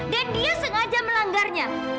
dan dia sengaja melanggarnya